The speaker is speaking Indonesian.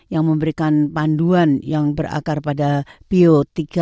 yang memberikan panduan yang berakar pada bio tiga